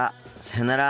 さようなら。